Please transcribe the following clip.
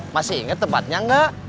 masih inget tempatnya nggak